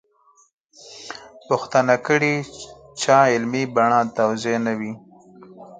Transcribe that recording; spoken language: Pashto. پوښتنه کړې چا علمي بڼه توضیح نه وي.